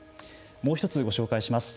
もう一つ、ご紹介します。